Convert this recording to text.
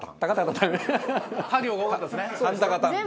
た行が多かったですね。